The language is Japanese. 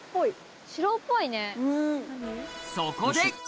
そこで！